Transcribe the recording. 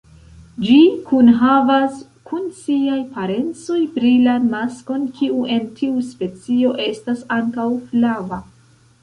Ĝi kunhavas kun siaj parencoj brilan maskon kiu en tiu specio estas ankaŭ flava.